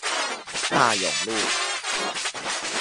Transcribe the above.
大勇路